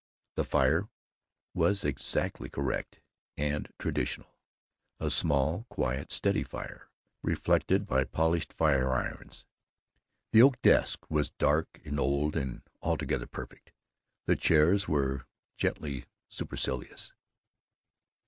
The fire was exactly correct and traditional; a small, quiet, steady fire, reflected by polished fire irons. The oak desk was dark and old and altogether perfect; the chairs were gently supercilious.